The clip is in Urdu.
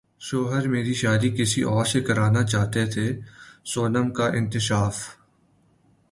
شوہر میری شادی کسی اور سے کرانا چاہتے تھے سونم کا انکشاف